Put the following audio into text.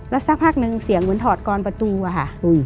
แล้วสักพักนึงเสียงเหมือนถอดกรประตูอะค่ะ